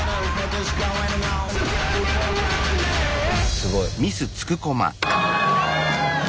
すごい。